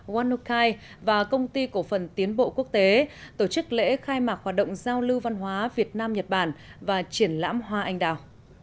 wanokai và công ty cổ phần tiến bộ quốc tế tổ chức lễ khai mạc hoạt động giao lưu văn hóa việt nam nhật bản và triển lãm hoa anh đào